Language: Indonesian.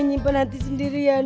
nyimpen hati sendirian